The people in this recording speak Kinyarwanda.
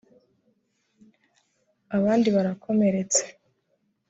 abandi barakomeretse